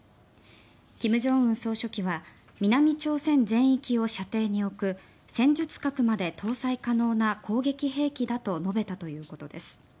金正恩総書記は南朝鮮全域を射程に置く戦術核まで搭載可能な攻撃兵器だと述べたということです。